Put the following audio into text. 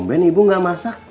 dumbain ibu enggak masak